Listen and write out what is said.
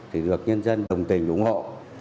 thì được nhân dân đồng tình ủng hộ